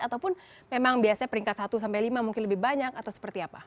ataupun memang biasanya peringkat satu sampai lima mungkin lebih banyak atau seperti apa